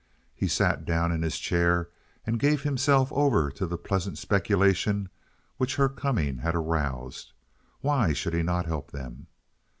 He sat down in his chair and gave himself over to the pleasant speculations which her coming had aroused. Why should he not help them?